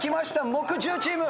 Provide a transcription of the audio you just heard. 木１０チーム。